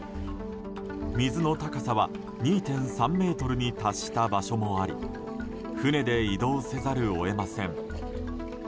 水の高さは２．３ｍに達した場所もあり船で移動せざるを得ません。